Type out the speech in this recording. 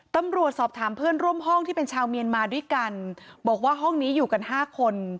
ตำรวจสอบถามเพื่อนร่วมห้องที่เป็นชาวเมียนมาด้วยกันบอกว่าห้องนี้อยู่กันห้าคน